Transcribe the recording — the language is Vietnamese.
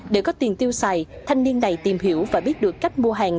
để có tiền tiêu xài thanh niên này tìm hiểu và biết được cách mua hàng